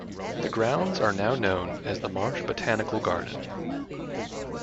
The grounds are now known as the Marsh Botanical Garden.